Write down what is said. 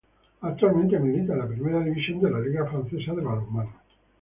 Actualmente milita en la Primera División de la liga francesa de balonmano.